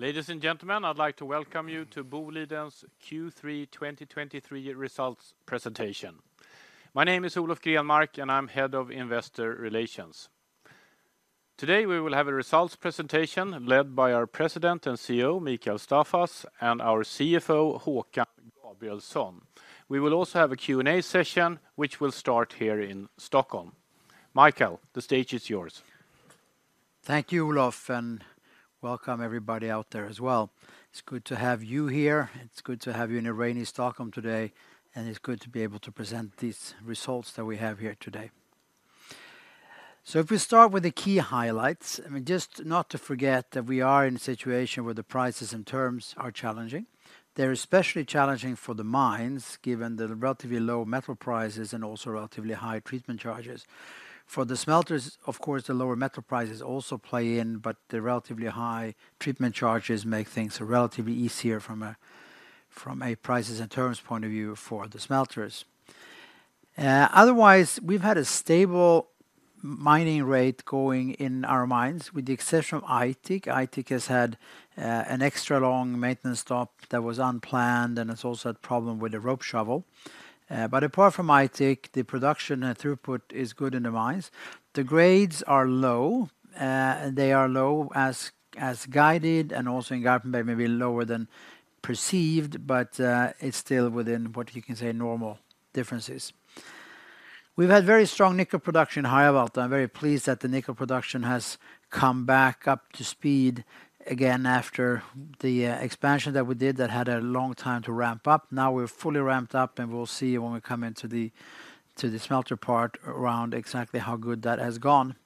Ladies and gentlemen, I'd like to welcome you to Boliden's Q3 2023 results presentation. My name is Olof Grenmark, and I'm Head of Investor Relations. Today, we will have a results presentation led by our President and CEO, Mikael Staffas, and our CFO, Håkan Gabrielsson. We will also have a Q&A session, which will start here in Stockholm. Mikael, the stage is yours. Thank you, Olof, and welcome everybody out there as well. It's good to have you here, it's good to have you in a rainy Stockholm today, and it's good to be able to present these results that we have here today. If we start with the key highlights, I mean, just not to forget that we are in a situation where the prices and terms are challenging. They're especially challenging for the mines, given the relatively low metal prices and also relatively high treatment charges. For the smelters, of course, the lower metal prices also play in, but the relatively high treatment charges make things relatively easier from a prices and terms point of view for the smelters. Otherwise, we've had a stable mining rate going in our mines, with the exception of Aitik. Aitik has had an extra long maintenance stop that was unplanned, and it's also had a problem with the rope shovel. Apart from Aitik, the production and throughput is good in the mines. The grades are low and they are low as guided, and also in Garpenberg, maybe lower than perceived, but it's still within what you can say, normal differences. We've had very strong nickel production in Harjavalta. I'm very pleased that the nickel production has come back up to speed again after the expansion that we did that had a long time to ramp up. Now, we're fully ramped up, and we'll see when we come into the smelter part around exactly how good that has gone.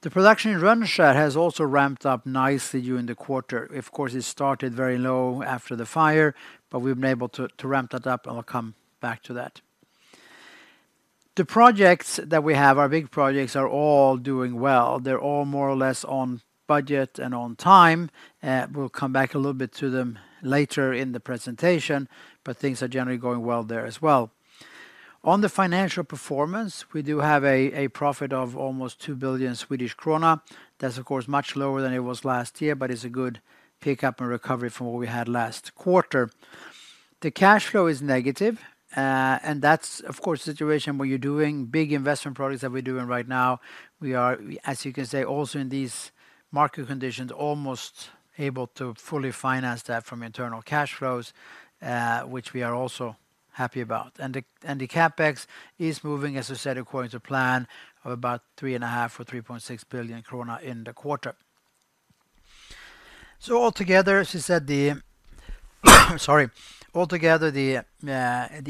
The production in Rönnskär has also ramped up nicely during the quarter. Of course, it started very low after the fire, but we've been able to ramp that up, and I'll come back to that. The projects that we have, our big projects, are all doing well. They're all more or less on budget and on time. We'll come back a little bit to them later in the presentation, but things are generally going well there as well. On the financial performance, we do have a profit of almost 2 billion Swedish krona. That's, of course, much lower than it was last year, but it's a good pick-up and recovery from what we had last quarter. The cash flow is negative, and that's, of course, the situation where you're doing big investment projects that we're doing right now. We are, as you can say, also, in these market conditions, almost able to fully finance that from internal cash flows, which we are also happy about. CapEx is moving, as I said, according to plan, of about 3.5 billion or 3.6 billion krona in the quarter. Altogether, the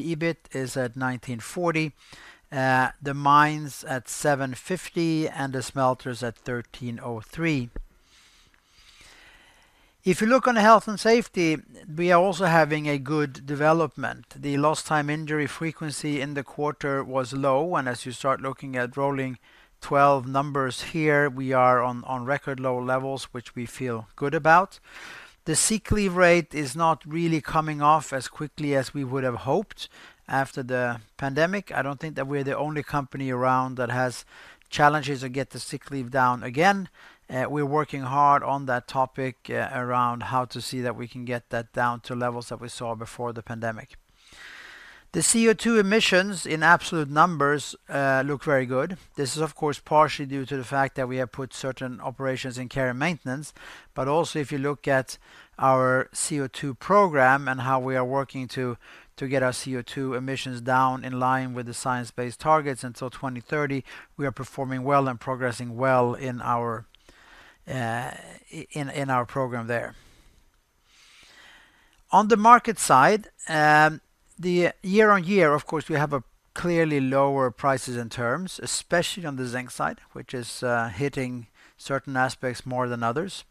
EBIT is at 1,940, the mines at 750, and the smelters at 1,303. If you look on health and safety, we are also having a good development. The lost time injury frequency in the quarter was low, and as you start looking at rolling 12 numbers here, we are on record low levels, which we feel good about. The sick leave rate is not really coming off as quickly as we would have hoped after the pandemic. I don't think that we're the only company around that has challenges to get the sick leave down again. We're working hard on that topic around how to see that we can get that down to levels that we saw before the pandemic. The CO2 emissions in absolute numbers look very good. This is, of course, partially due to the fact that we have put certain operations in care and maintenance, but also, if you look at our CO2 program and how we are working to get our CO2 emissions down in line with the science-based targets until 2030, we are performing well and progressing well in our program there. On the market side, the year-over-year, of course, we have a clearly lower prices and terms, especially on the zinc side, which is hitting certain aspects more than others.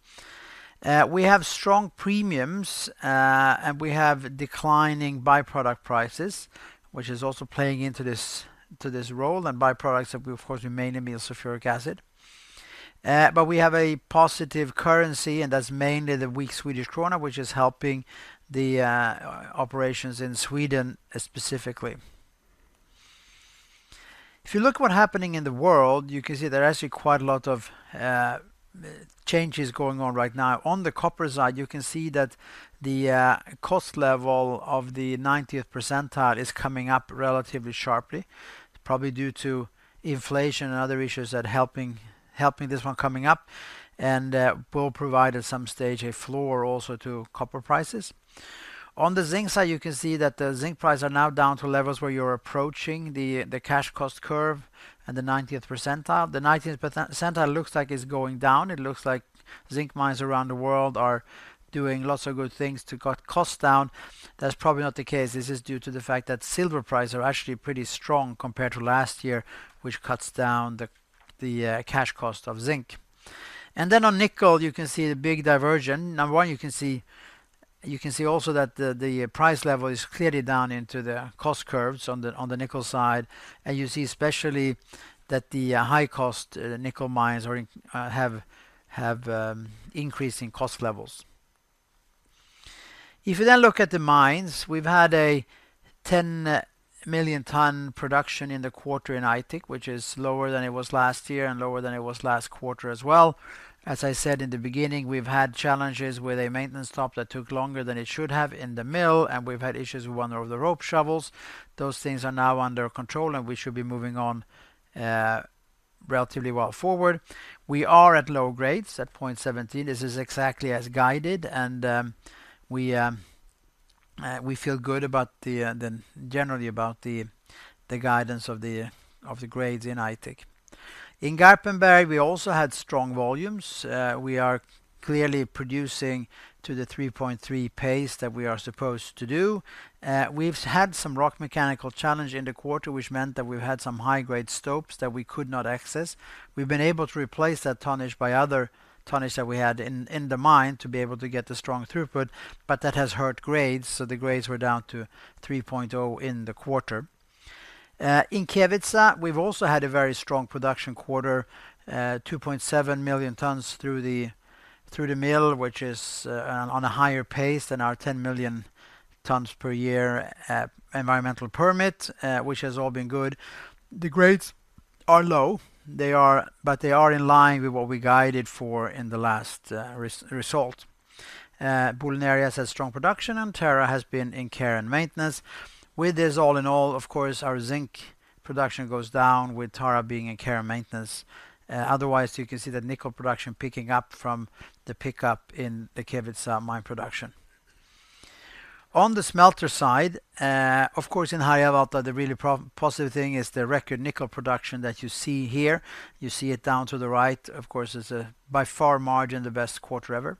We have strong premiums, and we have declining by-product prices, which is also playing into this role, and by-products, of course, remain in the sulphuric acid. We have a positive currency, and that's mainly the weak Swedish krona, which is helping the operations in Sweden specifically. If you look what's happening in the world, you can see there are actually quite a lot of changes going on right now. On the copper side, you can see that the cost level of the 90th percentile is coming up relatively sharply, probably due to inflation and other issues that helping this one coming up, and will provide, at some stage, a floor also to copper prices. On the zinc side, you can see that the zinc prices are now down to levels where you're approaching the cash cost curve and the 90th percentile. The 90th percentile looks like it's going down. It looks like zinc mines around the world are doing lots of good things to cut costs down. That's probably not the case. This is due to the fact that silver prices are actually pretty strong compared to last year, which cuts down the cash cost of zinc. On nickel, you can see the big diversion. Number one, you can see also that the price level is clearly down into the cost curves on the nickel side, and you see especially that the high-cost nickel mines have increasing cost levels. If you then look at the mines, we've had a 10 million ton production in the quarter in Aitik, which is lower than it was last year and lower than it was last quarter as well. As I said in the beginning, we've had challenges with a maintenance stop that took longer than it should have in the mill, and we've had issues with one of the rope shovels. Those things are now under control, and we should be moving on relatively well forward. We are at low grades at 0.17. This is exactly as guided, and we feel good about generally about the guidance of the grades in Aitik. In Garpenberg, we also had strong volumes. We are clearly producing to the 3.3 pace that we are supposed to do. We've had some rock mechanical challenge in the quarter, which meant that we've had some high-grade stopes that we could not access. We've been able to replace that tonnage by other tonnage that we had in the mine to be able to get the strong throughput, but that has hurt grades, so the grades were down to 3.0 in the quarter. In Kevitsa, we've also had a very strong production quarter, 2.7 million tonnes through the mill, which is on a higher pace than our 10 million tonnes per year environmental permit, which has all been good. The grades are low. But they are in line with what we guided for in the last result. Boliden Area has had strong production, and Tara has been in care and maintenance. With this all in all, of course, our zinc production goes down with Tara being in care and maintenance. Otherwise, you can see the nickel production picking up from the pickup in the Kevitsa mine production. On the smelter side, of course, in Harjavalta, the really positive thing is the record nickel production that you see here. You see it down to the right. Of course, it's by far margin, the best quarter ever.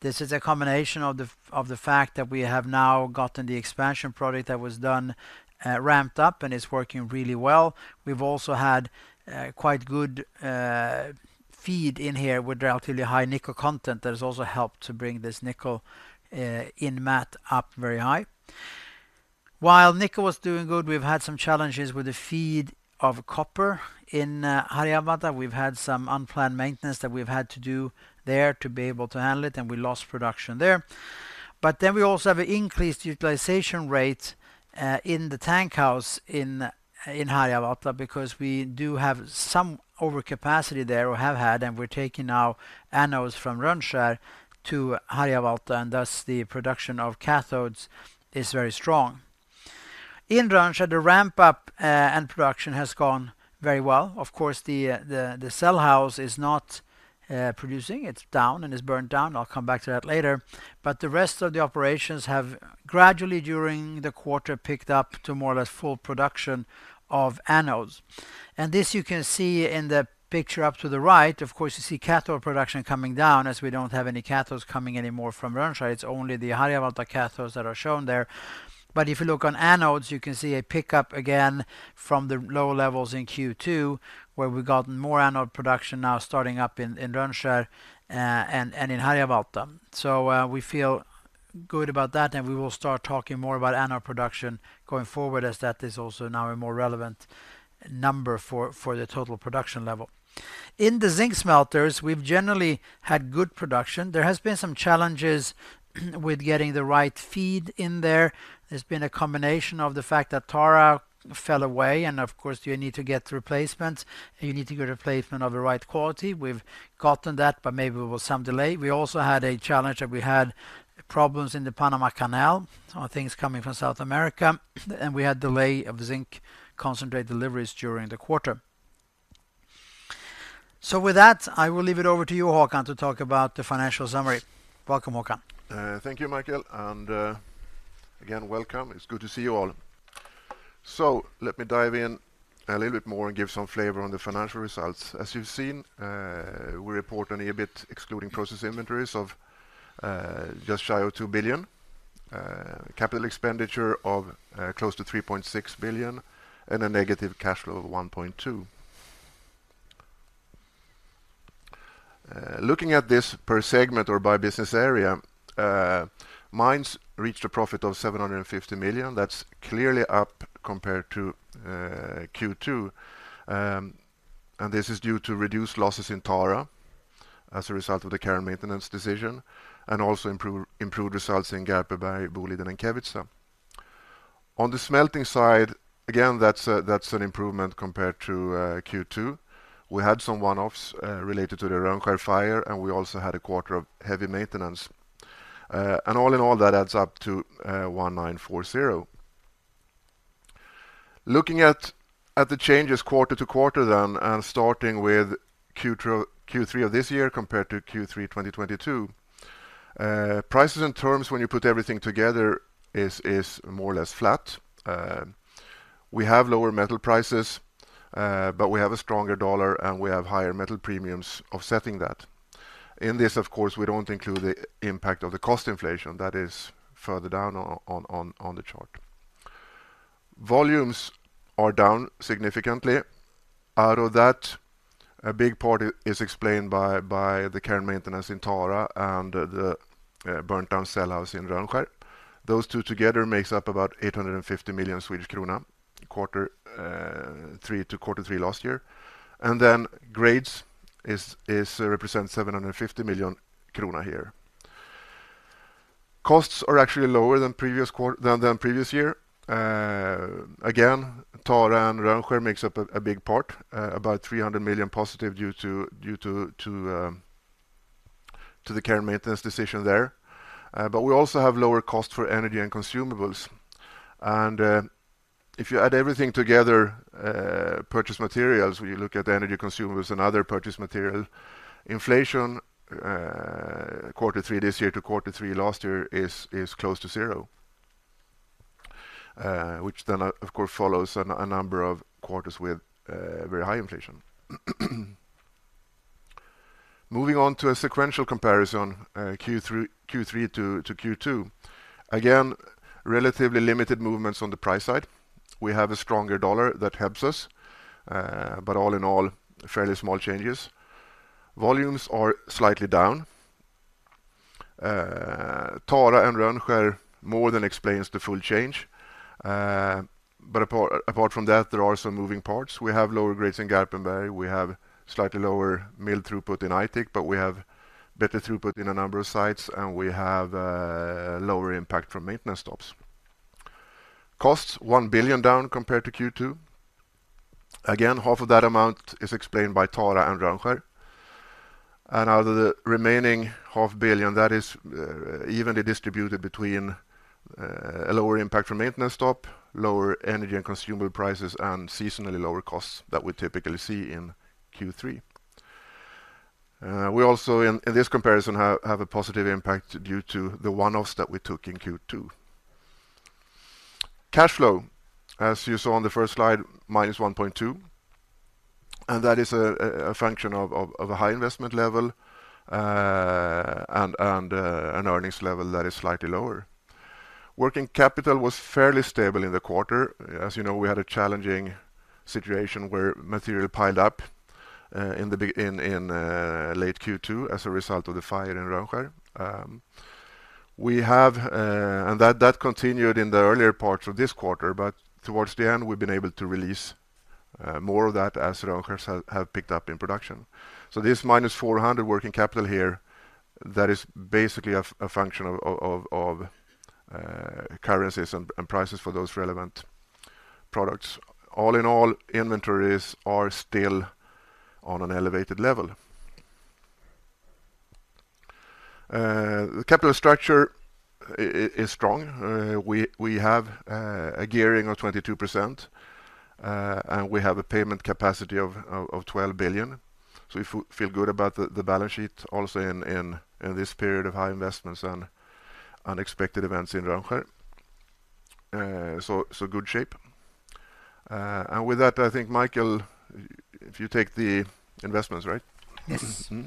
This is a combination of the fact that we have now gotten the expansion project that was done ramped up, and it's working really well. We've also had quite good feed in here with relatively high nickel content that has also helped to bring this nickel in matte up very high. While nickel was doing good, we've had some challenges with the feed of copper in Harjavalta. We've had some unplanned maintenance that we've had to do there to be able to handle it, and we lost production there. We also have an increased utilization rate in the tank house in Harjavalta because we do have some overcapacity there or have had, and we're taking now anodes from Rönnskär to Harjavalta, and thus, the production of cathodes is very strong. In Rönnskär, the ramp-up and production has gone very well. Of course, the cell house is not producing. It's down and is burnt down. I'll come back to that later. The rest of the operations have gradually, during the quarter, picked up to more or less full production of anodes. This you can see in the picture up to the right. Of course, you see cathode production coming down as we don't have any cathodes coming anymore from Rönnskär. It's only the Harjavalta cathodes that are shown there. If you look on anodes, you can see a pickup again from the lower levels in Q2, where we've gotten more anode production now starting up in Rönnskär and in Harjavalta. We feel good about that, and we will start talking more about anode production going forward, as that is also now a more relevant number for the total production level. In the zinc smelters, we've generally had good production. There has been some challenges with getting the right feed in there. There's been a combination of the fact that Tara fell away, and of course, you need to get replacements, and you need to get replacement of the right quality. We've gotten that, but maybe with some delay. We also had a challenge that we had problems in the Panama Canal, so things coming from South America, and we had delay of zinc concentrate deliveries during the quarter. With that, I will leave it over to you, Håkan, to talk about the financial summary. Welcome, Håkan. Thank you, Mikael, and again, welcome. It's good to see you all. Let me dive in a little bit more and give some flavor on the financial results. As you've seen, we report an EBIT, excluding process inventories of just shy of 2 billion, capital expenditure of close to 3.6 billion, and a negative cash flow of 1.2 billion. Looking at this per segment or by business area, mines reached a profit of 750 million. That's clearly up compared to Q2, and this is due to reduced losses in Tara as a result of the care and maintenance decision, and also improved results in Garpenberg, Boliden, and Kevitsa. On the smelting side, again, that's an improvement compared to Q2. We had some one-offs related to the Rönnskär fire, and we also had a quarter of heavy maintenance. All in all, that adds up to 1,940. Looking at the changes quarter-to-quarter then, and starting with Q3 of this year compared to Q3 2022, prices and terms, when you put everything together, is more or less flat. We have lower metal prices, but we have a stronger US dollar, and we have higher metal premiums offsetting that. In this, of course, we don't include the impact of the cost inflation. That is further down on the chart. Volumes are down significantly. Out of that, a big part is explained by the care and maintenance in Tara and the burnt down cell house in Rönnskär. Those two together makes up about 850 million Swedish krona quarter three to quarter three last year. Then grades represent SEK 750 million here. Costs are actually lower than the previous year. Again, Tara and Rönnskär makes up a big part, about 300 million positive due to the care and maintenance decision there. We also have lower costs for energy and consumables. If you add everything together, purchase materials, when you look at energy consumables and other purchase material, inflation, quarter three this year to quarter three last year is close to zero. Which then, of course, follows a number of quarters with very high inflation. Moving on to a sequential comparison, Q3 to Q2. Again, relatively limited movements on the price side. We have a stronger dollar that helps us, but all in all, fairly small changes. Volumes are slightly down. Tara and Rönnskär more than explains the full change. Apart from that, there are some moving parts. We have lower grades in Garpenberg. We have slightly lower mill throughput in Aitik, but we have better throughput in a number of sites, and we have lower impact from maintenance stops. Costs, 1 billion down compared to Q2. Again, half of that amount is explained by Tara and Rönnskär. Out of the remaining 500 million, that is evenly distributed between a lower impact from maintenance stop, lower energy and consumable prices, and seasonally lower costs that we typically see in Q3. We also, in this comparison, have a positive impact due to the one-offs that we took in Q2. Cash flow, as you saw on the first slide, -1.2, and that is a function of a high investment level and an earnings level that is slightly lower. Working capital was fairly stable in the quarter. As you know, we had a challenging situation where material piled up in late Q2 as a result of the fire in Rönnskär. That continued in the earlier parts of this quarter, but towards the end, we've been able to release more of that as Rönnskär have picked up in production. This -400 working capital here, that is basically a function of currencies and prices for those relevant products. All in all, inventories are still on an elevated level. The capital structure is strong. We have a gearing of 22%, and we have a payment capacity of 12 billion. We feel good about the balance sheet, also in this period of high investments and unexpected events in Rönnskär. Good shape. With that, I think, Mikael, if you take the investments, right? Yes. Mm-hmm.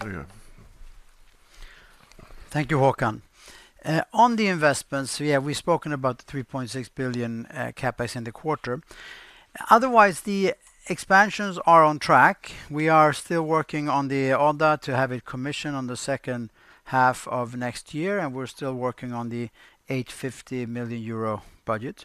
There you go. Thank you, Håkan. On the investments, yeah, we've spoken about the 3.6 billion CapEx in the quarter. Otherwise, the expansions are on track. We are still working on the Odda to have it commissioned on the second half of next year, and we're still working on the 850 million euro budget.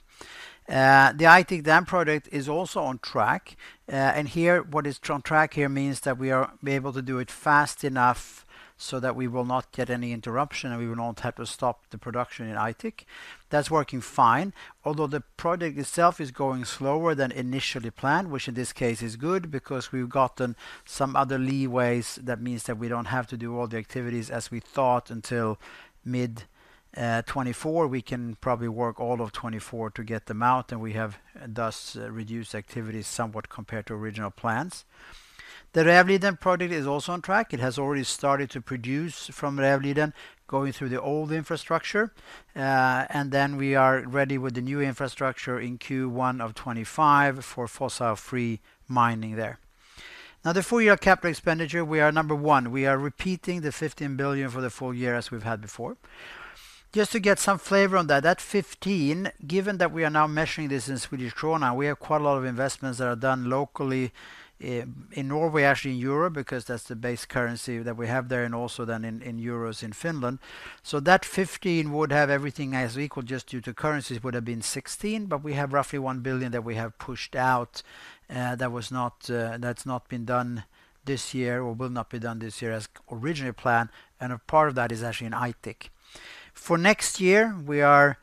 The Aitik dam project is also on track. What is on track here means that we are be able to do it fast enough so that we will not get any interruption, and we will not have to stop the production in Aitik. That's working fine, although the project itself is going slower than initially planned, which in this case is good because we've gotten some other leeways. That means that we don't have to do all the activities as we thought until mid-2024. We can probably work all of 2024 to get them out, and we have, thus, reduced activities somewhat compared to original plans. The Rävliden project is also on track. It has already started to produce from Rävliden, going through the old infrastructure. Then we are ready with the new infrastructure in Q1 of 2025 for fossil-free mining there. Now, the full year capital expenditure, we are number one. We are repeating the 15 billion for the full year as we've had before. Just to get some flavor on that, that 15, given that we are now measuring this in Swedish krona, we have quite a lot of investments that are done locally in Norway, actually in Europe, because that's the base currency that we have there and also then in euros in Finland. That 15 would have everything as equal just due to currencies, would have been 16, but we have roughly 1 billion that we have pushed out that's not been done this year or will not be done this year as originally planned, and a part of that is actually in Aitik. For next year, we are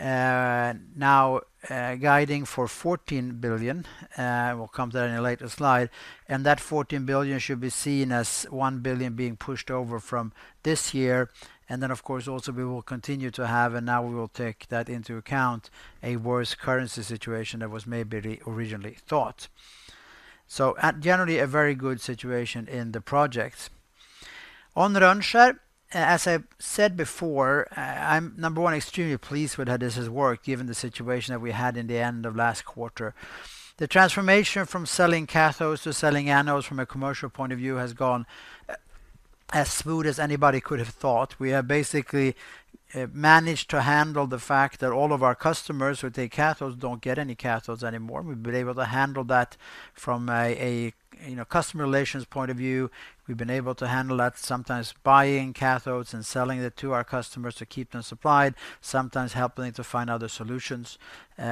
now guiding for 14 billion, we'll come to that in a later slide, and that 14 billion should be seen as 1 billion being pushed over from this year. Then, of course, also we will continue to have, and now we will take that into account, a worse currency situation that was maybe originally thought. Generally, a very good situation in the projects. On Rönnskär, as I said before, I'm number one, extremely pleased with how this has worked, given the situation that we had in the end of last quarter. The transformation from selling cathodes to selling anodes from a commercial point of view has gone as smooth as anybody could have thought. We have basically managed to handle the fact that all of our customers who take cathodes don't get any cathodes anymore. We've been able to handle that from a, you know, customer relations point of view. We've been able to handle that, sometimes buying cathodes and selling it to our customers to keep them supplied, sometimes helping to find other solutions,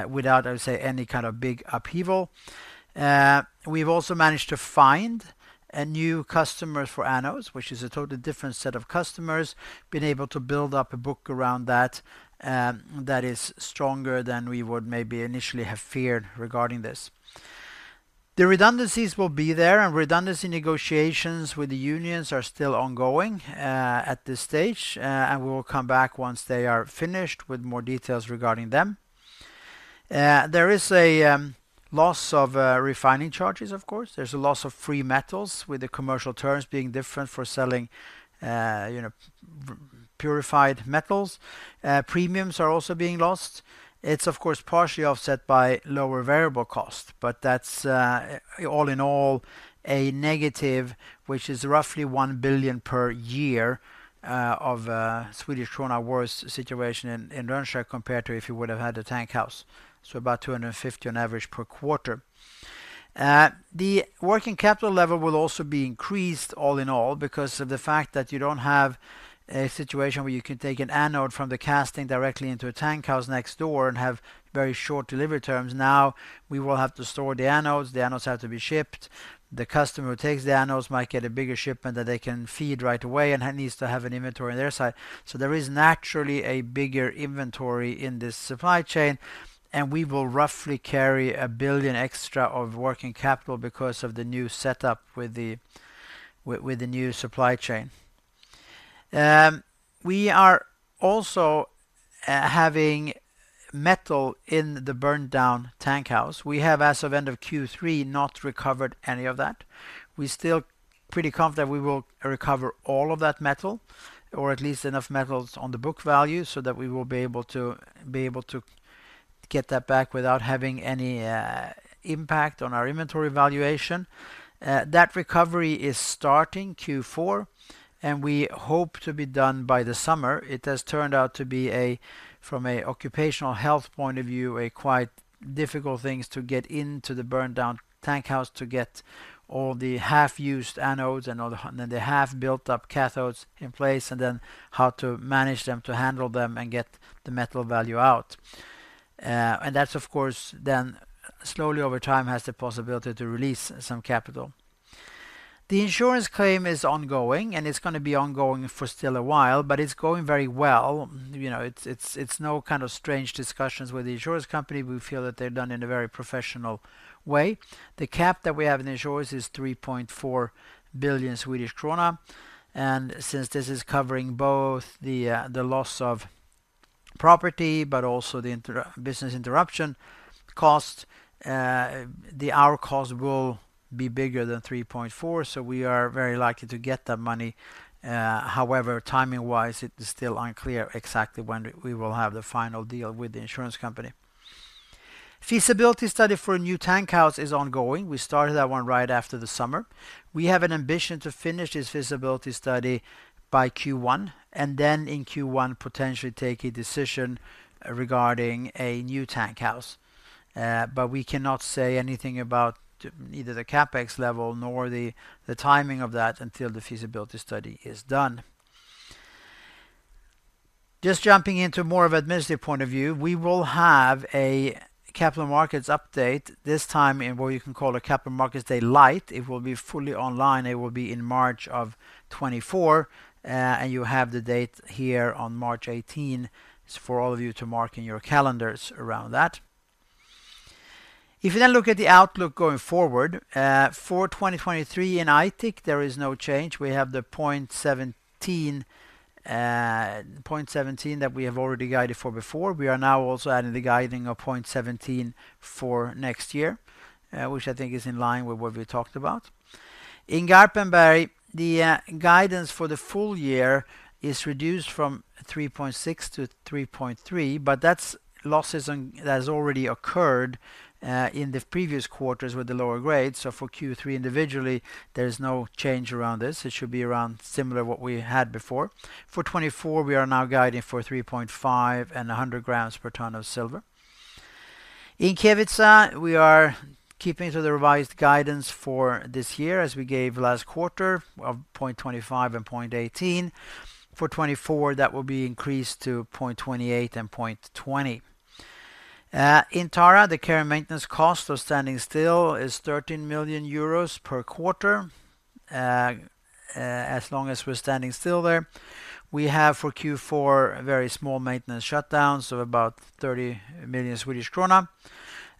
without, I would say, any kind of big upheaval. We've also managed to find new customers for anodes, which is a totally different set of customers. Been able to build up a book around that, that is stronger than we would maybe initially have feared regarding this. The redundancies will be there, and redundancy negotiations with the unions are still ongoing at this stage, and we will come back once they are finished with more details regarding them. There is a loss of refining charges, of course. There's a loss of free metals with the commercial terms being different for selling, you know, purified metals. Premiums are also being lost. It's, of course, partially offset by lower variable cost, but that's all in all, a negative, which is roughly 1 billion per year of Swedish krona worse situation in Rönnskär, compared to if you would have had a tank house, so about 250 on average per quarter. The working capital level will also be increased all in all because of the fact that you don't have a situation where you can take an anode from the casting directly into a tank house next door and have very short delivery terms. Now, we will have to store the anodes. The anodes have to be shipped. The customer who takes the anodes might get a bigger shipment that they can feed right away and needs to have an inventory on their side. There is naturally a bigger inventory in this supply chain, and we will roughly carry 1 billion extra of working capital because of the new setup with the new supply chain. We are also having metal in the burned-down tank house. We have, as of end of Q3, not recovered any of that. We're still pretty confident we will recover all of that metal, or at least enough metals on the book value, so that we will be able to get that back without having any impact on our inventory valuation. That recovery is starting Q4, and we hope to be done by the summer. It has turned out to be, from a occupational health point of view, a quite difficult things to get into the burned-down tank house to get all the half-used anodes and all the half-built-up cathodes in place, and then how to manage them, to handle them, and get the metal value out. That's, of course, then slowly, over time, has the possibility to release some capital. The insurance claim is ongoing, and it's gonna be ongoing for still a while, but it's going very well. You know, it's no kind of strange discussions with the insurance company. We feel that they've done in a very professional way. The cap that we have in the insurance is 3.4 billion Swedish krona, and since this is covering both the loss of property, but also the business interruption cost, our cost will be bigger than 3.4 billion, so we are very likely to get that money. However, timing-wise, it is still unclear exactly when we will have the final deal with the insurance company. Feasibility study for a new tank house is ongoing. We started that one right after the summer. We have an ambition to finish this feasibility study by Q1, and then in Q1, potentially take a decision regarding a new tank house. But we cannot say anything about either the CapEx level nor the timing of that until the feasibility study is done. Just jumping into more of administrative point of view, we will have a capital markets update, this time in what you can call a Capital Markets Day Lite. It will be fully online. It will be in March of 2024, and you have the date here on March 18. It is for all of you to mark in your calendars around that. If you then look at the outlook going forward for 2023, in Aitik, there is no change. We have the 0.17 that we have already guided for before. We are now also adding the guiding of 0.17 for next year, which I think is in line with what we talked about. In Garpenberg, the guidance for the full year is reduced from 3.6 to 3.3, but that's losses that has already occurred in the previous quarters with the lower grade. For Q3, individually, there is no change around this. It should be around similar what we had before. For 2024, we are now guiding for 3.5 and 100 grams per ton of silver. In Kevitsa, we are keeping to the revised guidance for this year, as we gave last quarter of 0.25 and 0.18. For 2024, that will be increased to 0.28 and 0.20. In Tara, the care and maintenance cost of standing still is 13 million euros per quarter as long as we're standing still there. We have, for Q4, very small maintenance shutdowns, so about 30 million Swedish krona.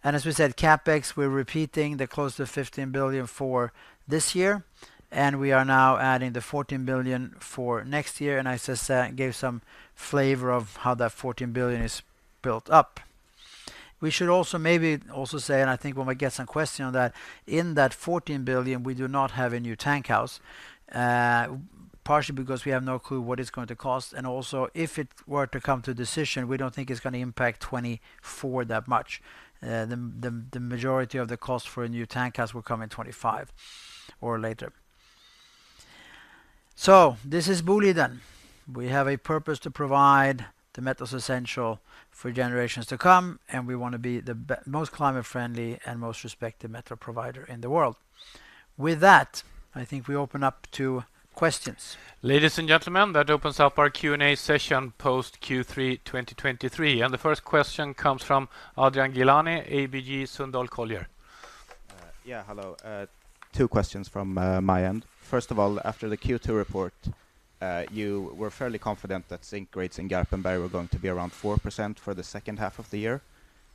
As we said, CapEx, we're repeating the close to 15 billion for this year, and we are now adding the 14 billion for next year, and I just gave some flavor of how that 14 billion is built up. We should also maybe also say, and I think we might get some question on that, in that 14 billion, we do not have a new tank house, partially because we have no clue what it's going to cost, and also, if it were to come to decision, we don't think it's gonna impact 2024 that much. The majority of the cost for a new tank house will come in 2025 or later. This is Boliden. We have a purpose to provide the metals essential for generations to come, and we want to be the most climate-friendly and most respected metal provider in the world. With that, I think we open up to questions. Ladies and gentlemen, that opens up our Q&A session post Q3 2023, and the first question comes from Adrian Gilani, ABG Sundal Collier. Yeah, hello. Two questions from my end. First of all, after the Q2 report, you were fairly confident that zinc grades in Garpenberg were going to be around 4% for the second half of the year,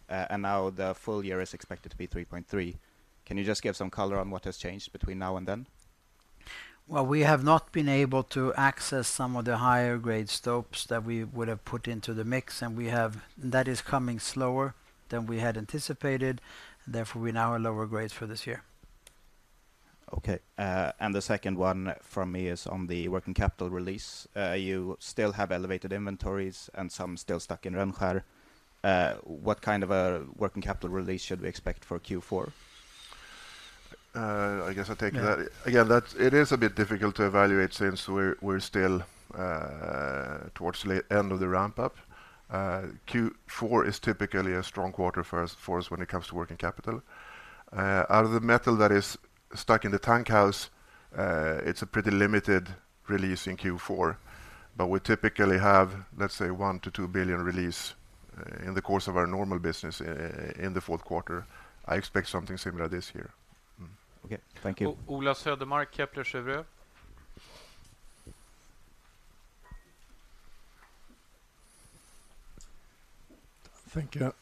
and now the full year is expected to be 3.3. Can you just give some color on what has changed between now and then? Well, we have not been able to access some of the higher-grade stopes that we would have put into the mix. That is coming slower than we had anticipated, and therefore, we now are lower grades for this year. Okay, the second one from me is on the working capital release. You still have elevated inventories and some still stuck in Rönnskär. What kind of a working capital release should we expect for Q4? I guess I'll take that. Again, it is a bit difficult to evaluate since we're still towards the end of the ramp-up. Q4 is typically a strong quarter for us when it comes to working capital. Out of the metal that is stuck in the tank house, it's a pretty limited release in Q4, but we typically have, let's say, 1 billion-2 billion release in the course of our normal business in the fourth quarter. I expect something similar this year. Mm-hmm. Okay. Thank you. Ola Södermark, Kepler Cheuvreux. Thank you.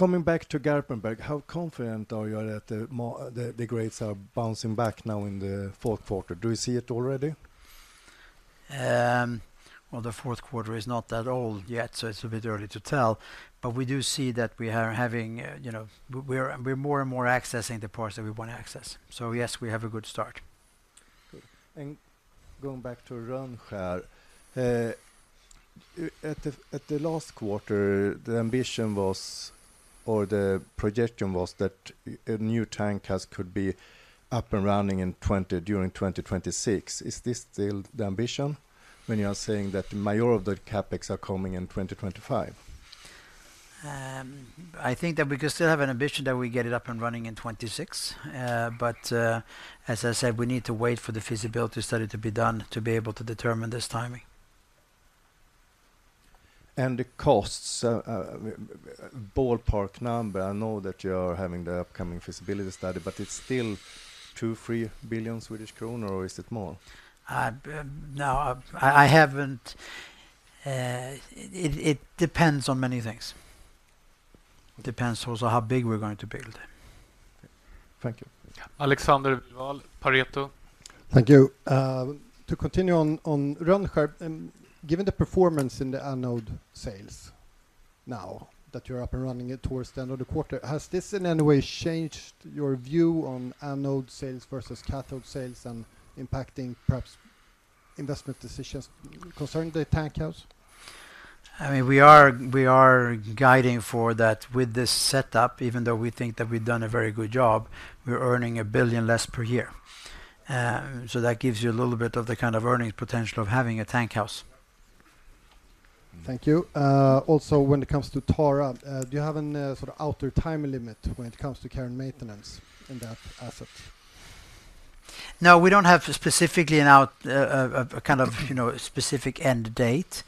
Coming back to Garpenberg, how confident are you that the grades are bouncing back now in the fourth quarter? Do you see it already? Well, the fourth quarter is not that old yet, so it's a bit early to tell, but we do see that we are having, you know, we're more and more accessing the parts that we want to access. Yes, we have a good start. Good. Going back to Rönnskär, at the last quarter, the ambition was, or the projection was that a new tank house could be up and running during 2026. Is this still the ambition when you are saying that the majority of the CapEx are coming in 2025? I think that we can still have an ambition that we get it up and running in 2026. As I said, we need to wait for the feasibility study to be done to be able to determine this timing. The costs, ballpark number. I know that you're having the upcoming feasibility study, but it's still 2 billion-3 billion Swedish kronor, or is it more? No, I haven't. It depends on many things. Depends also how big we're going to build. Thank you. Alexander Vilval at Pareto. Thank you. To continue on Rönnskär, given the performance in the anode sales, now that you're up and running it towards the end of the quarter, has this in any way changed your view on anode sales versus cathode sales and impacting perhaps investment decisions concerning the tank house? I mean, we are guiding for that. With this setup, even though we think that we've done a very good job, we're earning 1 billion less per year. That gives you a little bit of the kind of earnings potential of having a tank house. Thank you. Also, when it comes to Tara, do you have an sort of outer time limit when it comes to care and maintenance in that asset? No, we don't have specifically a kind of, you know, a specific end date.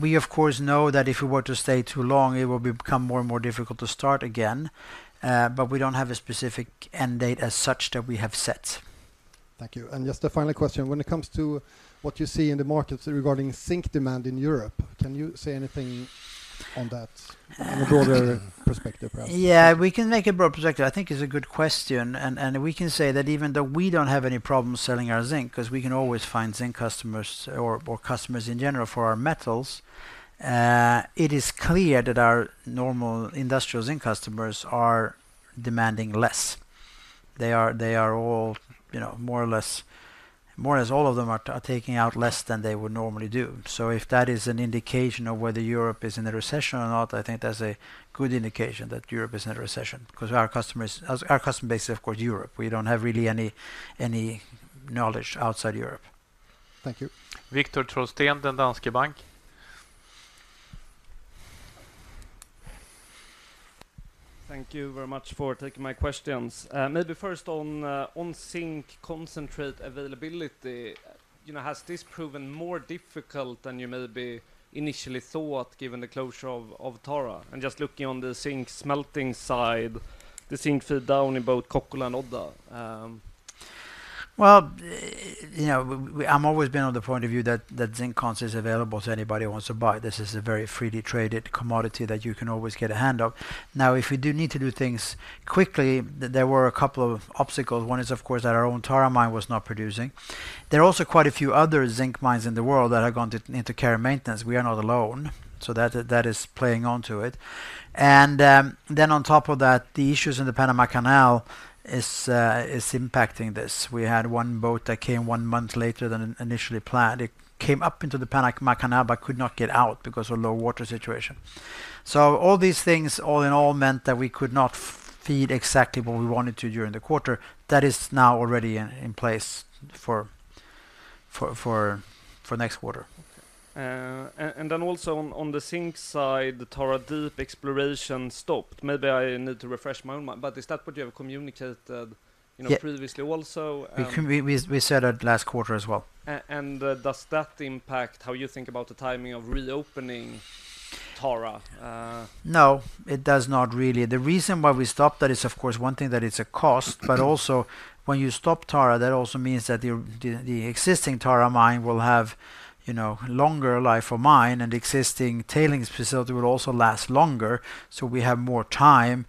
We, of course, know that if we were to stay too long, it will become more and more difficult to start again, but we don't have a specific end date as such that we have set. Thank you. Just a final question. When it comes to what you see in the markets regarding zinc demand in Europe, can you say anything on that from a broader perspective, perhaps? Yeah, we can make a broad perspective. I think it's a good question, and we can say that even though we don't have any problem selling our zinc, 'cause we can always find zinc customers or customers in general for our metals, it is clear that our normal industrial zinc customers are demanding less. They are all, you know, more or less, all of them are taking out less than they would normally do. If that is an indication of whether Europe is in a recession or not, I think that's a good indication that Europe is in a recession, 'cause our customer base is, of course, Europe. We don't have really any knowledge outside Europe. Thank you. Viktor Trolsten, Danske Bank. Thank you very much for taking my questions. Maybe first on zinc concentrate availability, you know, has this proven more difficult than you maybe initially thought, given the closure of Tara? Just looking on the zinc smelting side, the zinc feed down in both Kokkola and Odda. Well, you know, I'm always been on the point of view that zinc concentrate is available to anybody who wants to buy. This is a very freely traded commodity that you can always get a hand of. Now, if we do need to do things quickly, there were a couple of obstacles. One is, of course, that our own Tara mine was not producing. There are also quite a few other zinc mines in the world that have gone into care and maintenance. We are not alone, so that is playing onto it. On top of that, the issues in the Panama Canal is impacting this. We had one boat that came one month later than initially planned. It came up into the Panama Canal but could not get out because of low water situation. All these things, all in all, meant that we could not feed exactly what we wanted to during the quarter. That is now already in place for next quarter. Also on the zinc side, the Tara Deep exploration stopped. Maybe I need to refresh my own mind, but is that what you have communicated, you know? Yeah Previously also? We said it last quarter as well. Does that impact how you think about the timing of reopening Tara? No, it does not really. The reason why we stopped that is, of course, one thing that it's a cost, but also when you stop Tara, that also means that the existing Tara mine will have, you know, longer life of mine, and the existing tailings facility will also last longer, so we have more time.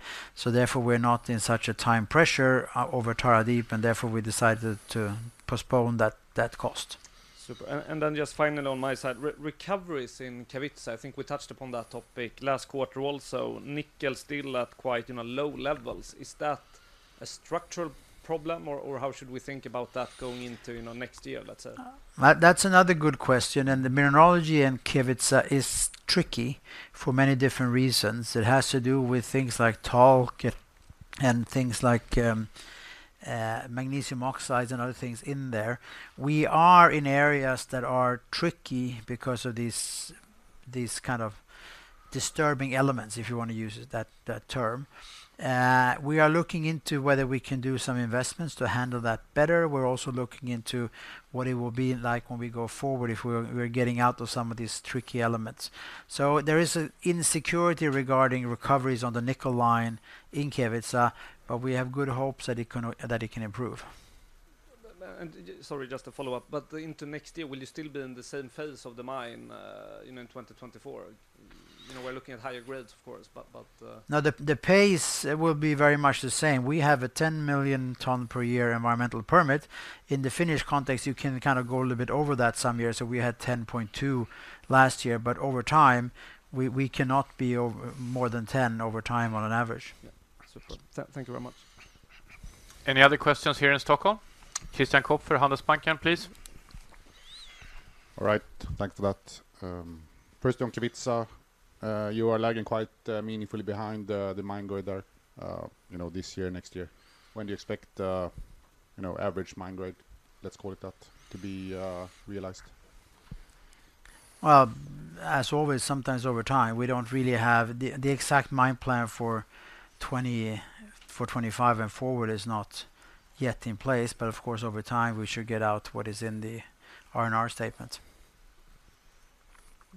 Therefore, we're not in such a time pressure over Tara Deep, and therefore, we decided to postpone that cost. Super. Just finally on my side, recoveries in Kevitsa, I think we touched upon that topic last quarter also. Nickel still at quite, you know, low levels. Is that a structural problem, or how should we think about that going into, you know, next year, let's say? That's another good question. The mineralogy in Kevitsa is tricky for many different reasons. It has to do with things like talc and things like magnesium oxides and other things in there. We are in areas that are tricky because of these kind of disturbing elements, if you want to use that term. We are looking into whether we can do some investments to handle that better. We're also looking into what it will be like when we go forward, if we're getting out of some of these tricky elements. There is an insecurity regarding recoveries on the nickel line in Kevitsa, but we have good hopes that it can improve. Sorry, just to follow up, but into next year, will you still be in the same phase of the mine, you know, in 2024? You know, we're looking at higher grades, of course, but, but. No, the pace will be very much the same. We have a 10 million ton per year environmental permit. In the Finnish context, you can kind of go a little bit over that some years, so we had 10.2 last year, but over time, we cannot be over more than 10 over time on an average. Yeah. Super. Thank you very much. Any other questions here in Stockholm? Christian Kopfer, Handelsbanken, please. All right. Thank you for that. First, on Kevitsa, you are lagging quite meaningfully behind the mine grade there, you know, this year, next year. When do you expect, you know, average mine grade, let's call it that, to be realized? Well, as always, sometimes over time, the exact mine plan for 2020, for 2025 and forward is not yet in place, but of course, over time, we should get out what is in the R&R statement.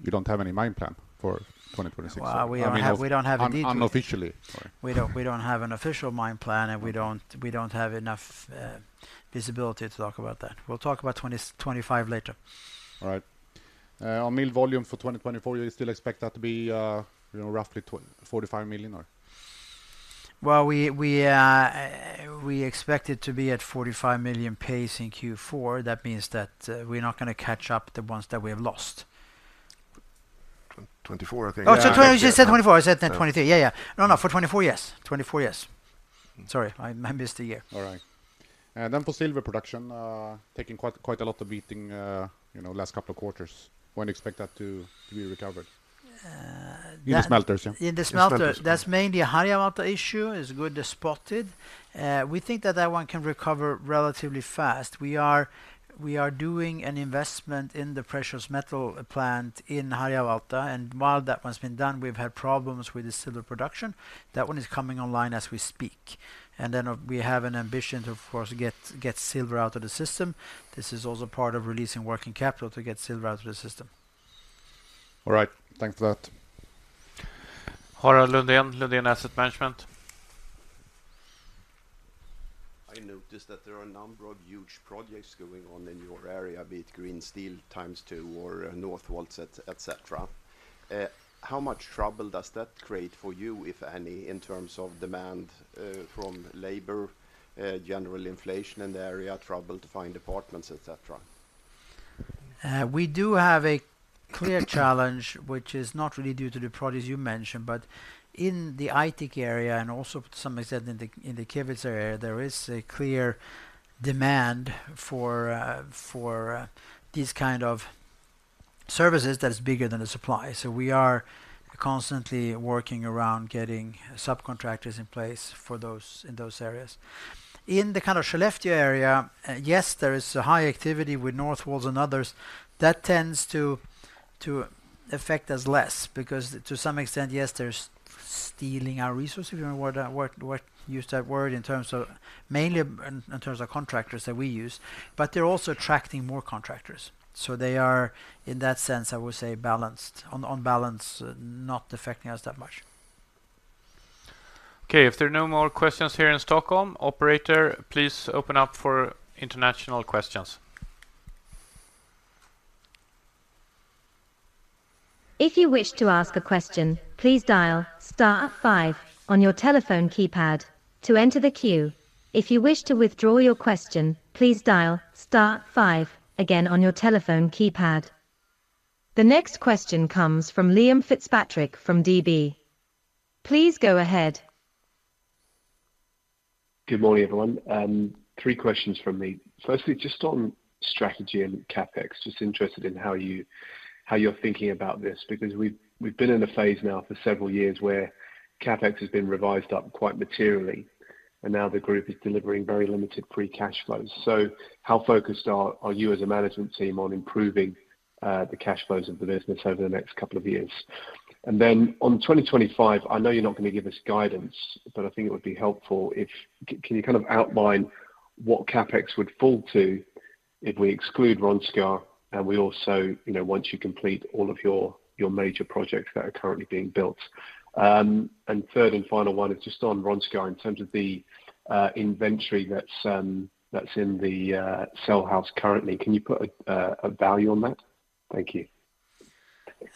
You don't have any mine plan for 2026? Well, we don't have a detailed. Unofficially. Sorry. We don't have an official mine plan, and we don't have enough visibility to talk about that. We'll talk about 2025 later. All right. On mill volume for 2024, you still expect that to be, you know, roughly 45 million, or? Well, we expect it to be at 45 million pace in Q4. That means that we're not gonna catch up the ones that we have lost. 2024, I think. I said 2024. I said then 2023. Yeah. Yeah, yeah. No, no, for 2024, yes. 2024, yes. Sorry, I missed a year. All right. For silver production, taking quite a lot of beating, you know, last couple of quarters. When do you expect that to be recovered? Uh, that- In the smelters, yeah. In the smelters. In smelters That's mainly a Harjavalta issue. It's good you spotted. We think that that one can recover relatively fast. We are doing an investment in the precious metal plant in Harjavalta, and while that one's been done, we've had problems with the silver production. That one is coming online as we speak. We have an ambition to, of course, get silver out of the system. This is also part of releasing working capital to get silver out of the system. All right. Thank you for that. Harald Lundgren Asset Management. I noticed that there are a number of huge projects going on in your area, be it green steel times two or Northvolt, et cetera. How much trouble does that create for you, if any, in terms of demand from labor, general inflation in the area, trouble to find apartments, et cetera? We do have a clear challenge, which is not really due to the projects you mentioned, but in the Aitik area and also to some extent in the Kevitsa area, there is a clear demand for these kind of services that is bigger than the supply. We are constantly working around getting subcontractors in place for those, in those areas. In the kind of Skellefteå area, yes, there is a high activity with Northvolt and others. That tends to affect us less, because to some extent, yes, they're stealing our resources, if you want to use that word, mainly in terms of contractors that we use, but they're also attracting more contractors. They are, in that sense, I would say, on balance, not affecting us that much. Okay, if there are no more questions here in Stockholm, operator, please open up for international questions. If you wish to ask a question, please dial star five on your telephone keypad to enter the queue. If you wish to withdraw your question, please dial star five again on your telephone keypad. The next question comes from Liam Fitzpatrick from D.B. Please go ahead. Good morning, everyone. Three questions from me. Firstly, just on strategy and CapEx, just interested in how you're thinking about this, because we've been in a phase now for several years where CapEx has been revised up quite materially, and now the group is delivering very limited free cash flows. How focused are you as a management team on improving the cash flows of the business over the next couple of years? On 2025, I know you're not going to give us guidance, but I think it would be helpful if you kind of outline what CapEx would fall to if we exclude Rönnskär, and we also, you know, once you complete all of your major projects that are currently being built. Third and final one is just on Rönnskär. In terms of the inventory that's in the cell house currently, can you put a value on that? Thank you.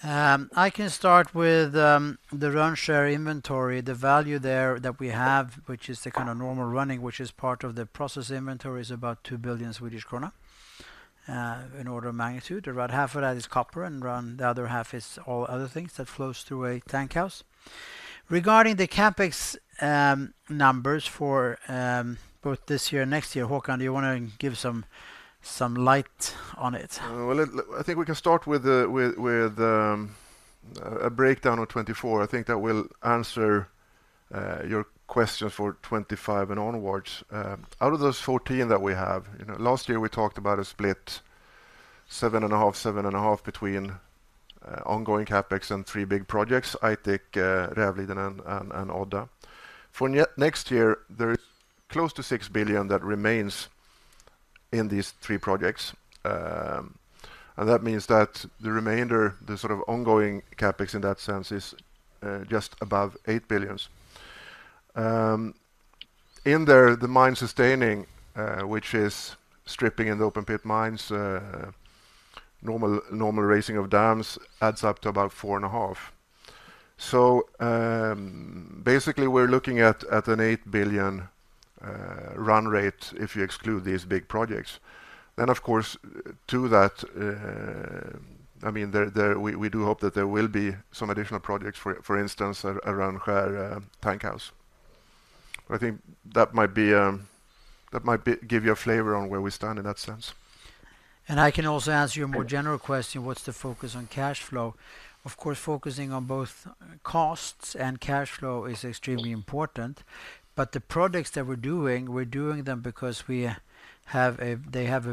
I can start with the Rönnskär inventory. The value there that we have, which is the kind of normal running, which is part of the process inventory, is about 2 billion Swedish krona in order of magnitude. About half of that is copper, and around the other half is all other things that flows through a tank house. Regarding the CapEx numbers for both this year and next year, Håkan, do you want to give some light on it? Well, I think we can start with a breakdown of 2024. I think that will answer your question for 2025 and onwards. Out of those 14 that we have, you know, last year we talked about a split, 7.5, 7.5 between ongoing CapEx and three big projects, Aitik, Rävliden, and Odda. For next year, there is close to 6 billion that remains in these three projects. That means that the remainder, the sort of ongoing CapEx in that sense, is just above 8 billion. In there, the mine-sustaining, which is stripping in the open-pit mines, normal raising of dams, adds up to about 4.5. Basically, we're looking at an 8 billion run rate if you exclude these big projects. Of course, to that, I mean, we do hope that there will be some additional projects, for instance, around Rönnskär tank house. I think that might give you a flavor on where we stand in that sense. I can also answer your more general question, what's the focus on cash flow? Of course, focusing on both costs and cash flow is extremely important, but the projects that we're doing, we're doing them because they have a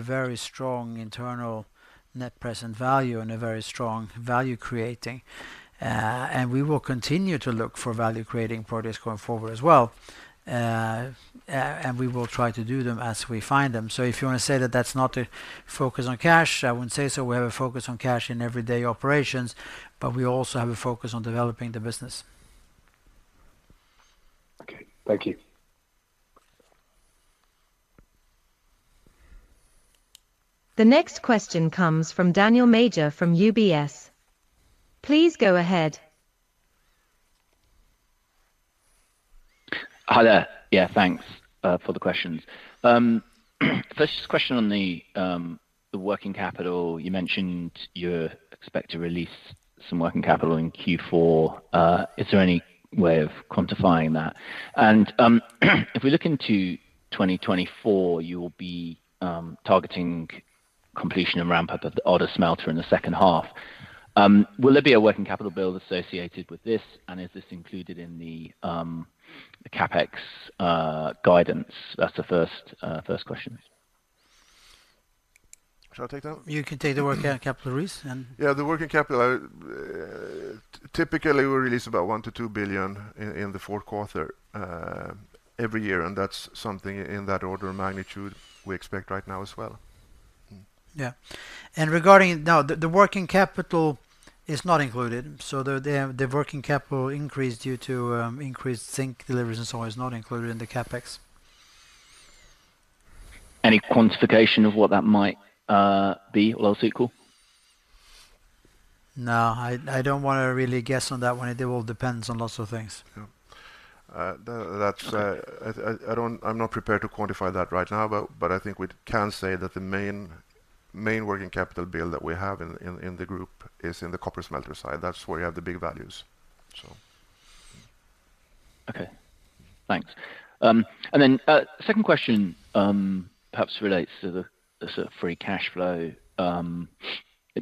very strong internal net present value and a very strong value-creating. We will continue to look for value-creating projects going forward as well, and we will try to do them as we find them. If you want to say that that's not a focus on cash, I wouldn't say so. We have a focus on cash in everyday operations, but we also have a focus on developing the business. Okay. Thank you. The next question comes from Daniel Major from UBS. Please go ahead. Hi there. Yeah, thanks for the questions. First, just a question on the working capital. You mentioned you expect to release some working capital in Q4. Is there any way of quantifying that? If we look into 2024, you will be targeting completion and ramp-up of the Odda smelter in the second half. Will there be a working capital build associated with this? Is this included in the CapEx guidance? That's the first question. Shall I take that one? You can take the working capital, Håkan. Yeah, the working capital, typically, we release about 1 billion-2 billion in the fourth quarter every year, and that's something in that order of magnitude we expect right now as well. Yeah. Now, the working capital is not included, so the working capital increase due to increased zinc deliveries and so on, is not included in the CapEx. Any quantification of what that might be or else equal? No, I don't want to really guess on that one. It all depends on lots of things. Yeah. Okay. I'm not prepared to quantify that right now, but I think we can say that the main working capital build that we have in the group is in the copper smelter side. That's where you have the big values. So. Okay. Thanks. Second question perhaps relates to the sort of free cash flow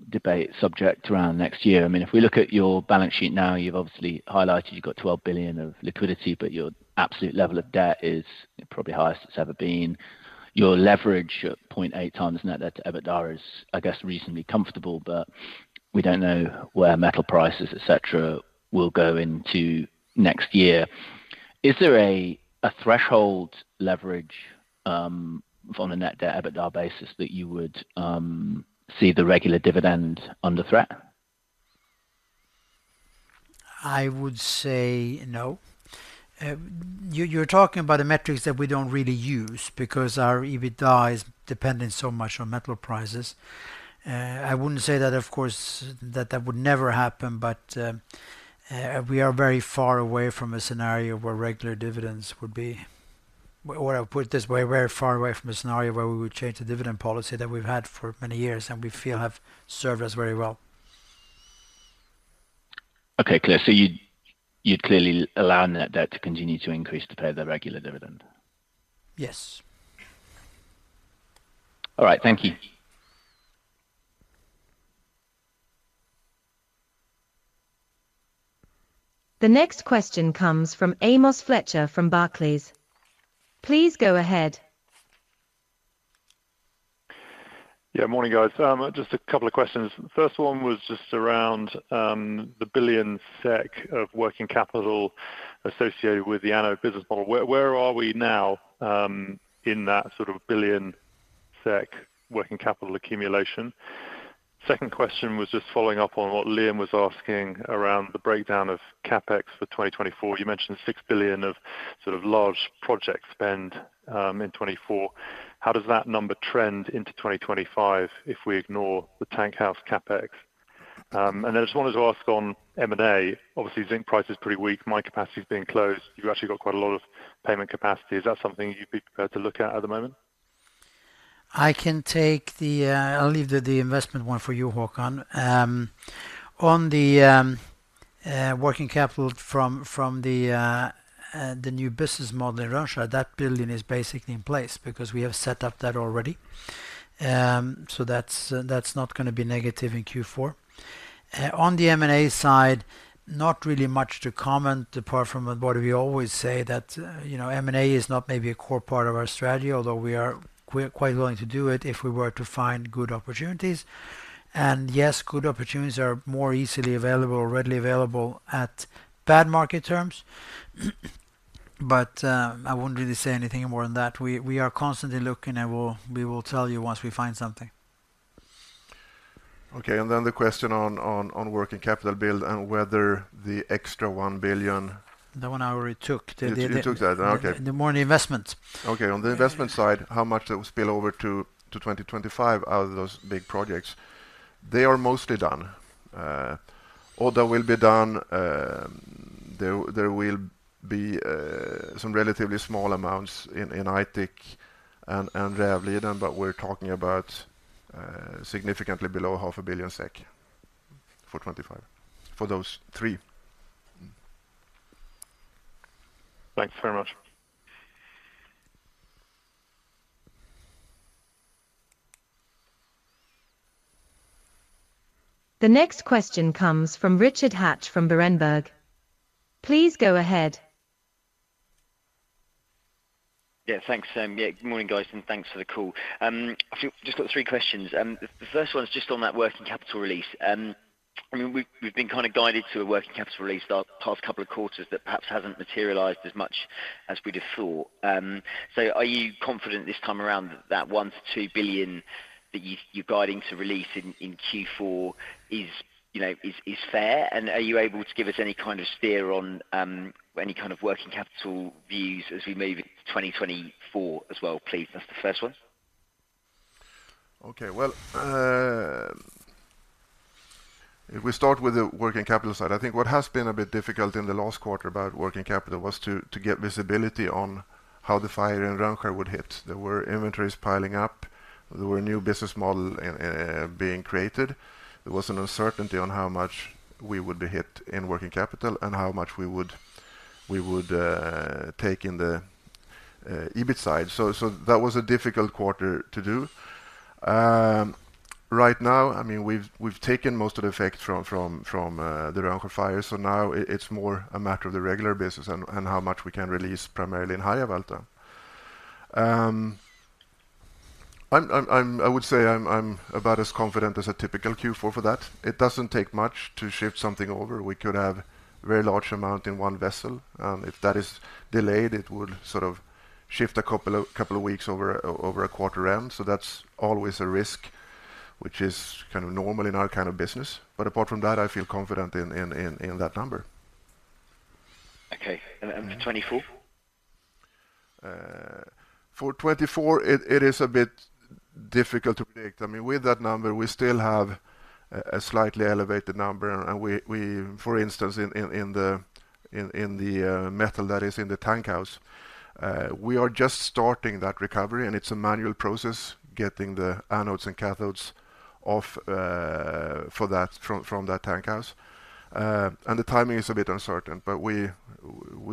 debate subject around next year. I mean, if we look at your balance sheet now, you've obviously highlighted you've got 12 billion of liquidity, but your absolute level of debt is probably the highest it's ever been. Your leverage of 0.8x net debt to EBITDA is, I guess, reasonably comfortable, but we don't know where metal prices, et cetera, will go into next year. Is there a threshold leverage on a net debt/EBITDA basis that you would see the regular dividend under threat? I would say no. You're talking about the metrics that we don't really use because our EBITDA is dependent so much on metal prices. I wouldn't say that, of course, that that would never happen, but we are very far away from a scenario where regular dividends would be. I'll put it this way, we're very far away from a scenario where we would change the dividend policy that we've had for many years, and we feel have served us very well. Okay, clear. You'd clearly allow net debt to continue to increase to pay the regular dividend? Yes. All right. Thank you. The next question comes from Amos Fletcher from Barclays. Please go ahead. Yeah, morning, guys. Just a couple of questions. The first one was just around the 1 billion SEK of working capital associated with the anode business model. Where are we now in that sort of 1 billion SEK working capital accumulation? Second question was just following up on what Liam was asking around the breakdown of CapEx for 2024. You mentioned 6 billion of sort of large project spend in 2024. How does that number trend into 2025 if we ignore the tank house CapEx? I just wanted to ask on M&A. Obviously, zinc price is pretty weak, mine capacity is being closed. You've actually got quite a lot of payment capacity. Is that something you'd be prepared to look at at the moment? I'll leave the investment one for you, Håkan. On the working capital from the new business model in Russia, that SEK 1 billion is basically in place because we have set up that already. That's not gonna be negative in Q4. On the M&A side, not really much to comment, apart from what we always say, that you know, M&A is not maybe a core part of our strategy, although we are quite willing to do it if we were to find good opportunities. Yes, good opportunities are more easily available or readily available at bad market terms, but I wouldn't really say anything more on that. We are constantly looking, and we will tell you once we find something. Okay, the question on working capital build and whether the extra 1 billion. The one I already took. You took that? Okay. Okay. On the investment side, how much that will spill over to 2025 out of those big projects? They are mostly done. All that will be done. There will be some relatively small amounts in Aitik and Ravliden, but we're talking about significantly below 500 million SEK for 2025, for those three. Thanks very much. The next question comes from Richard Hatch from Berenberg. Please go ahead. Yeah, thanks, Sam. Yeah, good morning, guys, and thanks for the call. I think just got three questions. The first one is just on that working capital release. I mean, we've been kind of guided to a working capital release the past couple of quarters that perhaps hasn't materialized as much as we'd have thought. So are you confident this time around that that 1 billion-2 billion that you're guiding to release in Q4 is, you know, is fair? Are you able to give us any kind of steer on any kind of working capital views as we move into 2024 as well, please? That's the first one. Okay, well, if we start with the working capital side, I think what has been a bit difficult in the last quarter about working capital was to get visibility on how the fire in Rönnskär would hit. There were inventories piling up. There were new business model being created. There was an uncertainty on how much we would be hit in working capital and how much we would take in the EBIT side. That was a difficult quarter to do. Right now, I mean, we've taken most of the effect from the Rönnskär fire, so now it's more a matter of the regular business and how much we can release primarily in Garpenberg. I would say I'm about as confident as a typical Q4 for that. It doesn't take much to shift something over. We could have a very large amount in one vessel, and if that is delayed, it would sort of shift a couple of weeks over a quarter end. That's always a risk, which is kind of normal in our kind of business. Apart from that, I feel confident in that number. Okay. For 2024? For 2024, it is a bit difficult to predict. I mean, with that number, we still have a slightly elevated number, and, for instance, in the metal that is in the tank house, we are just starting that recovery, and it's a manual process, getting the anodes and cathodes off for that, from that tank house. The timing is a bit uncertain, but we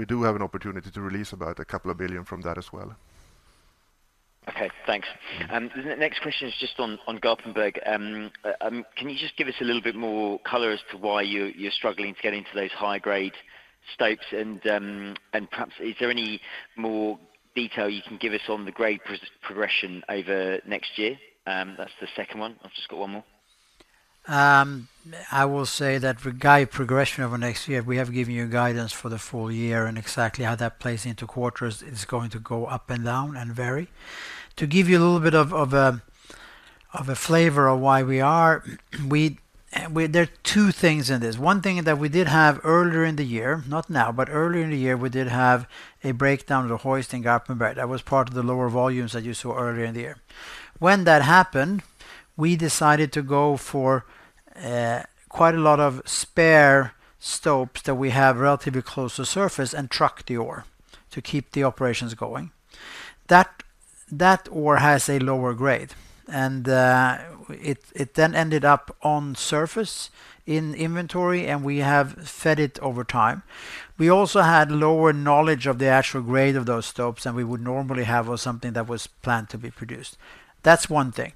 do have an opportunity to release about 2 billion from that as well. Okay, thanks. The next question is just on Garpenberg. Can you just give us a little bit more color as to why you're struggling to get into those high-grade stopes? Perhaps is there any more detail you can give us on the grade progression over next year? That's the second one. I've just got one more. I will say that regard progression over next year, we have given you guidance for the full year, and exactly how that plays into quarters is going to go up and down and vary. To give you a little bit of a flavor of why we are, well, there are two things in this. One thing that we did have earlier in the year, not now, but earlier in the year, we did have a breakdown of the hoist in Garpenberg. That was part of the lower volumes that you saw earlier in the year. When that happened, we decided to go for quite a lot of spare stopes that we have relatively close to surface and trucked ore to keep the operations going. That ore has a lower grade, and it then ended up on surface in inventory, and we have fed it over time. We also had lower knowledge of the actual grade of those stopes than we would normally have or something that was planned to be produced. That's one thing.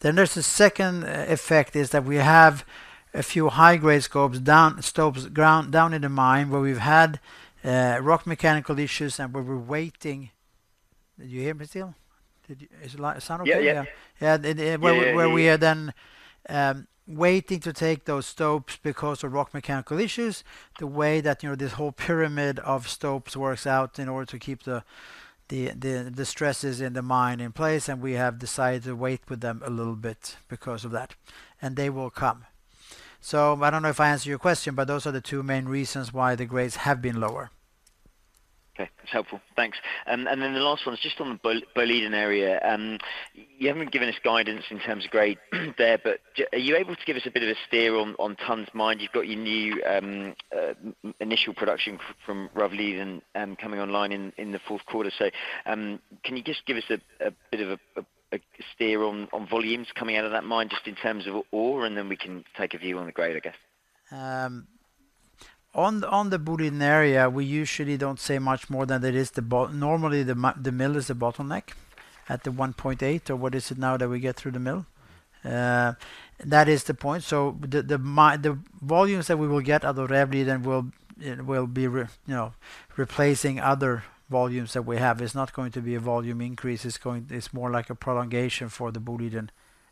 There's a second effect, is that we have a few high-grade stopes ground down in the mine, where we've had rock mechanical issues and where we're waiting. Do you hear me still? Is the sound okay? Yeah, yeah. Yeah. Yeah, yeah We are then waiting to take those stopes because of rock mechanical issues. The way that, you know, this whole pyramid of stopes works out in order to keep the stresses in the mine in place, and we have decided to wait with them a little bit because of that, and they will come. I don't know if I answered your question, but those are the two main reasons why the grades have been lower. Okay. That's helpful. Thanks. The last one is just on the Boliden Area. You haven't given us guidance in terms of grade there, but are you able to give us a bit of a steer on tons mined? You've got your new initial production from Rävliden coming online in the fourth quarter. Can you just give us a bit of a steer on volumes coming out of that mine, just in terms of ore, and then we can take a view on the grade, I guess? On the Boliden Area, we usually don't say much more than it is normally the mill is the bottleneck at the 1.8 or what is it now that we get through the mill? That is the point. The volumes that we will get out of Rävliden will, it will be, you know, replacing other volumes that we have. It's not going to be a volume increase, it's more like a prolongation for the Boliden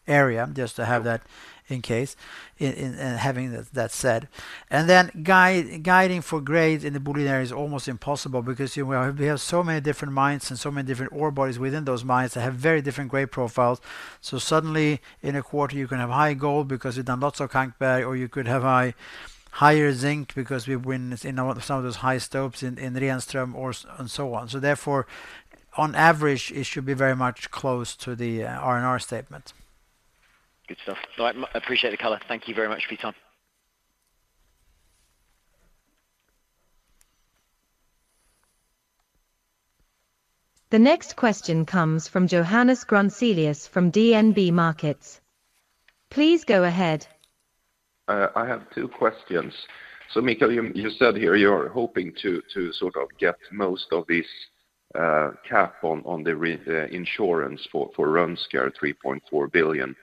Area, just to have that in case, in having that said. Guiding for grades in the Boliden Area is almost impossible because, you know, we have so many different mines and so many different ore bodies within those mines that have very different grade profiles. Suddenly, in a quarter, you can have high gold because we've done lots of Kankberg, or you could have high, higher zinc because we've been in some of those high stopes in Renström ore and so on. Therefore, on average, it should be very much close to the RNR statement. Good stuff. No, I appreciate the color. Thank you very much for your time. The next question comes from Johannes Grunselius from DNB Markets. Please go ahead. I have two questions. Mikael, you said here you're hoping to sort of get most of this cap on the insurance for Rönnskär, 3.4 billion.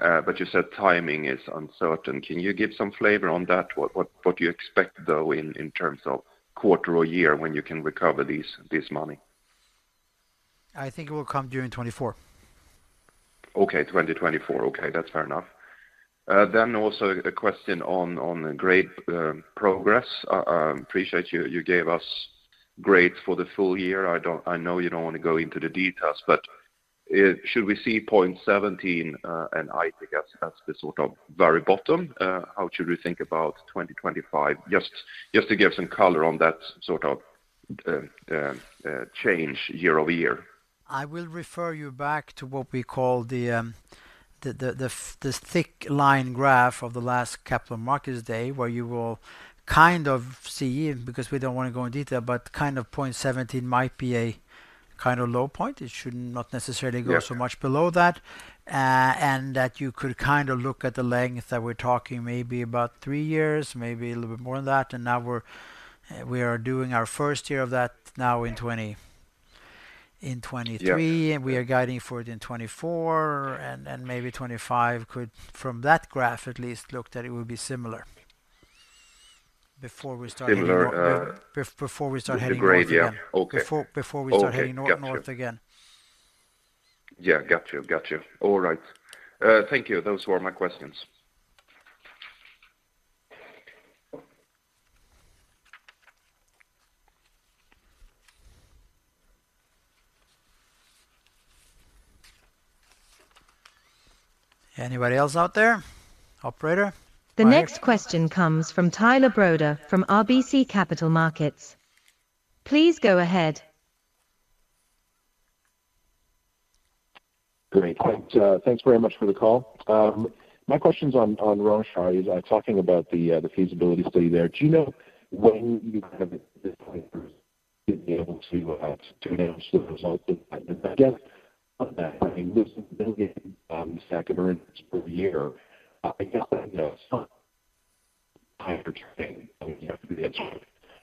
You said timing is uncertain. Can you give some flavor on that? What do you expect, though, in terms of quarter or year when you can recover this money? I think it will come during 2024. Okay, 2024. Okay, that's fair enough. Also a question on the grade progress. Appreciate you gave us grades for the full year. I know you don't want to go into the details, but should we see 0.17, and I guess that's the sort of very bottom? How should we think about 2025? Just to give some color on that sort of change year-over-year. I will refer you back to what we call the thick line graph of the last Capital Markets Day, where you will kind of see, because we don't want to go in detail, but kind of point 17 might be a kind of low point. It should not necessarily- Yeah Go so much below that. That you could kind of look at the length that we're talking, maybe about three years, maybe a little bit more than that. Now we are doing our first year of that now in 2023. Yeah We are guiding for it in 2024, and maybe 2025 could, from that graph at least, look that it will be similar. Before we start heading. Similar, uh- Before we start heading north again. The grade, yeah. Okay. Before we start heading. Okay, got you.... north again. Yeah, got you. Got you. All right. Thank you. Those were my questions. Anybody else out there? Operator? The next question comes from Tyler Broda from RBC Capital Markets. Please go ahead. Great. Thanks very much for the call. My question's on Rönnskär, is talking about the feasibility study there. Do you know when you have be able to announce the results of that? I guess million of earnings per year. I guess, you know, high returning, I mean, you have to invest,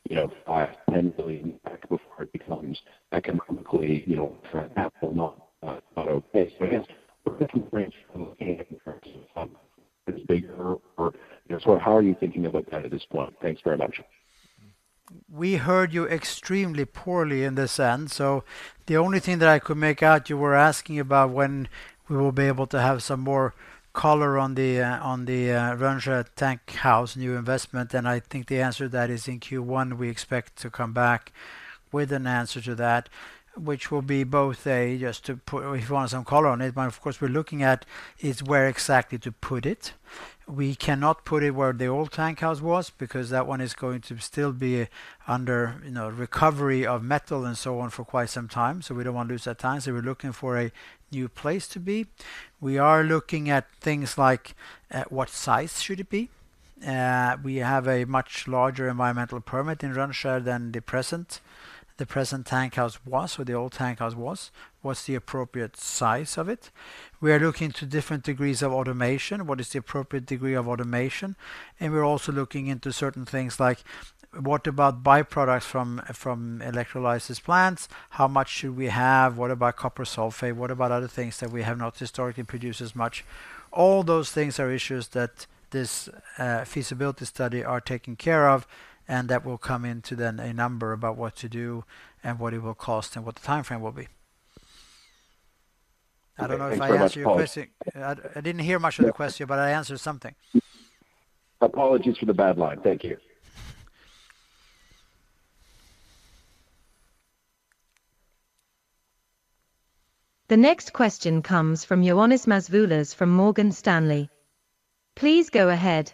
you know, 5 billion-10 billion back before it becomes economically, you know, viable. I guess we're looking for any comparison. It's bigger or, you know, how are you thinking about that at this point? Thanks very much. We heard you extremely poorly in this end, so the only thing that I could make out, you were asking about when we will be able to have some more color on the Rönnskär tank house new investment. I think the answer to that is in Q1. We expect to come back with an answer to that. If you want some color on it, but of course, we're looking at is where exactly to put it. We cannot put it where the old tank house was because that one is going to still be under, you know, recovery of metal and so on for quite some time. We don't want to lose that time. We're looking for a new place to be. We are looking at things like what size should it be? We have a much larger environmental permit in Rönnskär than the present tank house was, or the old tank house was. What's the appropriate size of it? We are looking to different degrees of automation. What is the appropriate degree of automation? We're also looking into certain things like, what about byproducts from electrolysis plants? How much should we have? What about copper sulfate? What about other things that we have not historically produced as much? All those things are issues that this feasibility study are taking care of, and that will come into then a number about what to do, and what it will cost, and what the time frame will be. Okay, thanks very much, Paul. I don't know if I answered your question. I didn't hear much of the question, but I answered something. Apologies for the bad line. Thank you. The next question comes from Ioannis Masvoulas from Morgan Stanley. Please go ahead.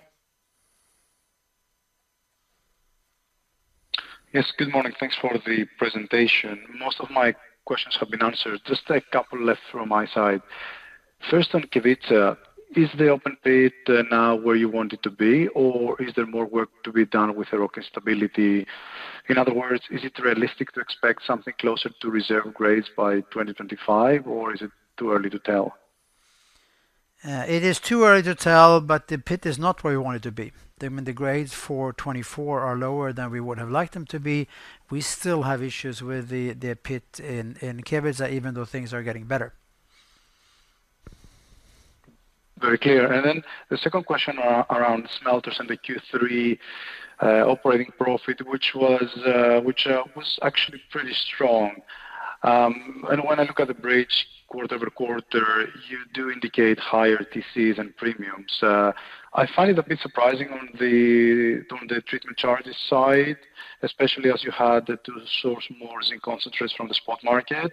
Yes, good morning. Thanks for the presentation. Most of my questions have been answered. Just a couple left from my side. First, on Kevitsa, is the open pit now where you want it to be, or is there more work to be done with rock stability? In other words, is it realistic to expect something closer to reserve grades by 2025, or is it too early to tell? It is too early to tell, but the pit is not where we want it to be. I mean, the grades for 2024 are lower than we would have liked them to be. We still have issues with the pit in Kevitsa, even though things are getting better. Very clear. The second question around smelters and the Q3 operating profit, which was actually pretty strong. When I look at the bridge quarter-over-quarter, you do indicate higher T.C.s than premiums. I find it a bit surprising on the treatment charges side, especially as you had to source more zinc concentrates from the spot market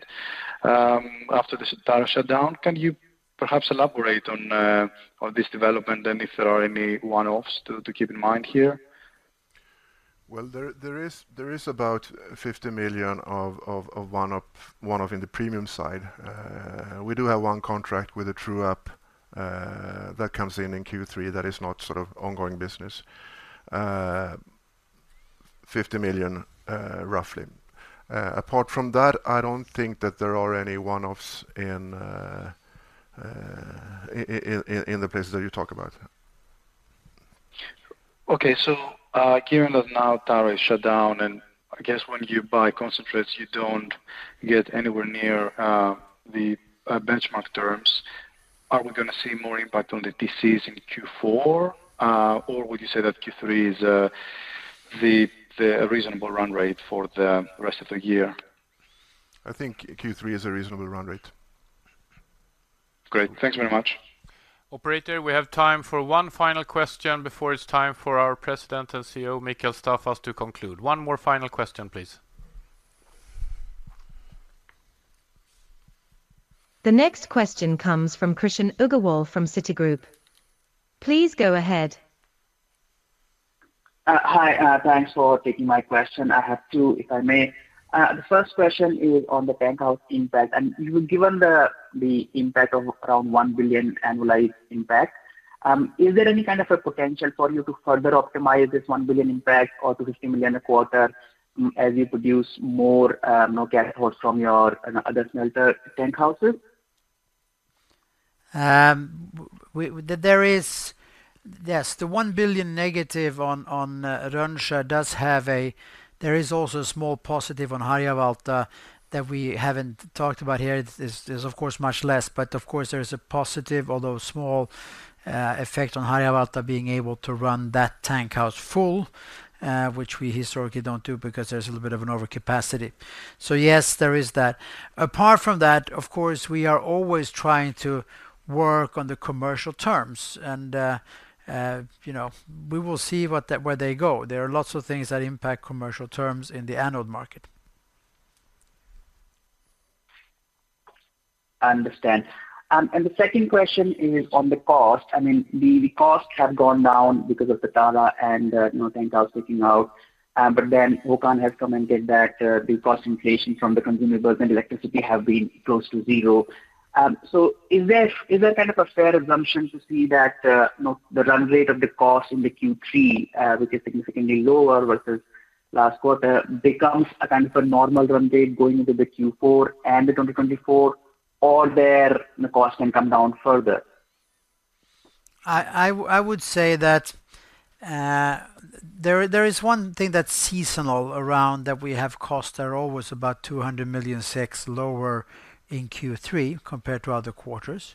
after the Tara shutdown. Can you perhaps elaborate on this development and if there are any one-offs to keep in mind here? Well, there is about 50 million of one-off in the premium side. We do have one contract with a true-up that comes in in Q3 that is not sort of ongoing business. 50 million roughly. Apart from that, I don't think that there are any one-offs in the places that you talk about. Okay. Given that now Tara is shut down, and I guess when you buy concentrates, you don't get anywhere near the benchmark terms, are we gonna see more impact on the T.Cs in Q4? Or would you say that Q3 is the reasonable run rate for the rest of the year? I think Q3 is a reasonable run rate. Great. Thanks very much. Operator, we have time for one final question before it's time for our President and CEO, Mikael Staffas, to conclude. One more final question, please. The next question comes from Krishan Agarwal from Citigroup. Please go ahead. Hi. Thanks for taking my question. I have two, if I may. The first question is on the tank house impact, and given the impact of around 1 billion annualized impact, is there any kind of a potential for you to further optimize this 1 billion impact or to 50 million a quarter as you produce more nickel cathode from your and other smelter tank houses? Yes, the SEK 1 billion negative on Rönnskär, there is also a small positive on Harjavalta that we haven't talked about here. It's of course much less, but of course there is a positive, although small, effect on Harjavalta being able to run that tank house full, which we historically don't do because there's a little bit of an overcapacity. Yes, there is that. Apart from that, of course, we are always trying to work on the commercial terms, and you know, we will see where they go. There are lots of things that impact commercial terms in the anode market. I understand. The second question is on the cost. I mean, the costs have gone down because of the Tara and, you know, tank house taking out, but then Håkan has commented that the cost inflation from the consumables and electricity have been close to zero. Is there kind of a fair assumption to see that, you know, the run rate of the cost in the Q3, which is significantly lower versus last quarter, becomes a kind of a normal run rate going into the Q4 and the 2024, or there, the cost can come down further? I would say that there is one thing that's seasonal around, that we have costs that are always about 200 million lower in Q3 compared to other quarters.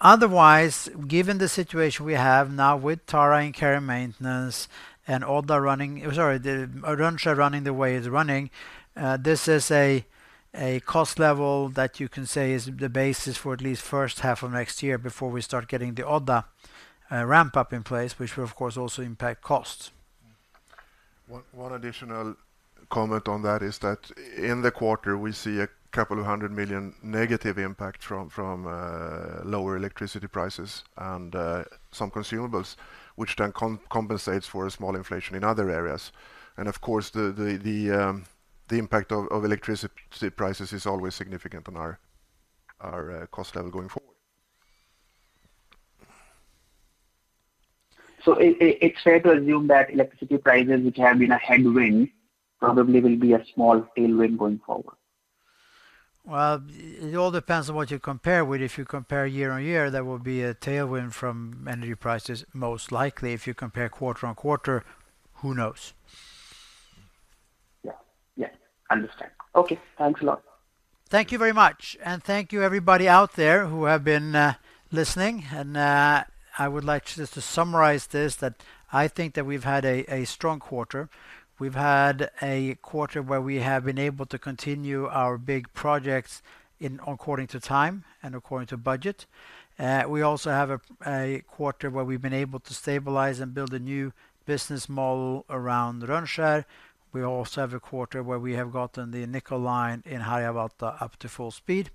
Otherwise, given the situation we have now with Tara in care and maintenance, and Odda running, sorry, the Rönnskär running the way it's running, this is a cost level that you can say is the basis for at least first half of next year before we start getting the Odda ramp up in place, which will, of course, also impact costs. One additional comment on that is that in the quarter, we see a 200 million negative impact from lower electricity prices and some consumables, which then compensates for a small inflation in other areas. Of course, the impact of electricity prices is always significant on our cost level going forward. It's fair to assume that electricity prices, which have been a headwind, probably will be a small tailwind going forward? Well, it all depends on what you compare with. If you compare year-on-year, there will be a tailwind from energy prices, most likely. If you compare quarter-on-quarter, who knows? Yeah. Yeah, understand. Okay, thanks a lot. Thank you very much, and thank you everybody out there who have been listening. I would like just to summarize this, that I think that we've had a strong quarter. We've had a quarter where we have been able to continue our big projects in according to time and according to budget. We also have a quarter where we've been able to stabilize and build a new business model around Rönnskär. We also have a quarter where we have gotten the nickel line in Harjavalta up to full speed.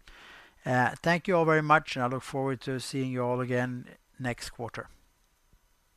Thank you all very much, and I look forward to seeing you all again next quarter.